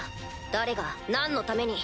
誰が何のために？